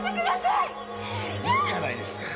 いいじゃないですか。